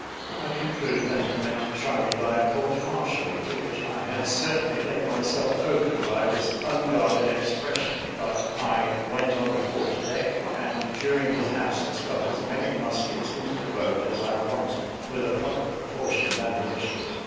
I concluded that he meant to try me by a court martial, to which I had certainly laid myself open by this unguarded expression; but I went on the quarter deck, and, during his absence, got as many muskets into the boat as I wanted, with a proper proportion of ammunition.